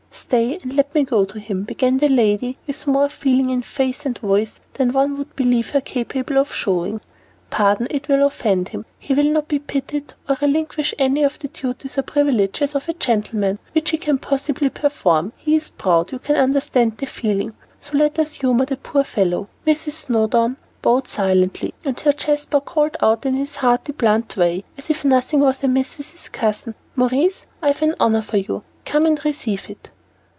"Stay, let me go to him," began the lady, with more feeling in face and voice than one would believe her capable of showing. "Pardon, it will offend him, he will not be pitied, or relinquish any of the duties or privileges of a gentleman which he can possibly perform. He is proud, we can understand the feeling, so let us humor the poor fellow." Mrs. Snowdon bowed silently, and Sir Jasper called out in his hearty, blunt way, as if nothing was amiss with his cousin, "Maurice, I've an honor for you. Come and receive it."